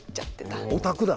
オタクだ？